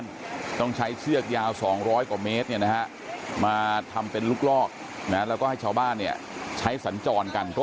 น้องก็บอกไม่เป็นไรไปแล้ว